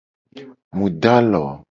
Mu do alo.